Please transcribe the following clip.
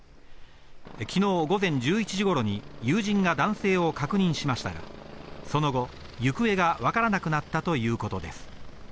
きのう午前１１時頃に友人が男性を確認しましたが、その後、行方がわからなくなったということです。